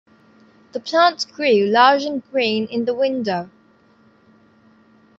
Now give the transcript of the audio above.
The plant grew large and green in the window.